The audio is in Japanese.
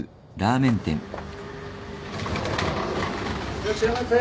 いらっしゃいませ。